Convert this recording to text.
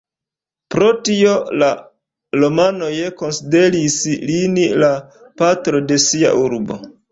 Pro tio, la romanoj konsideris lin la patro de sia urbo.